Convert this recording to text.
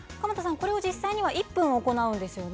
これを実際には１分行うんですね。